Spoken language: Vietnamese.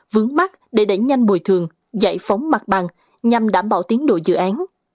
vướng mắt để đẩy nhanh bồi thường giải phóng mặt bằng nhằm đảm bảo tiến độ dự án